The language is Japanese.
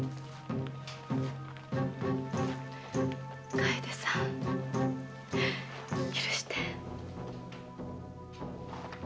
かえでさん許して。